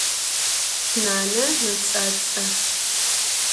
Nane mets'ats'e.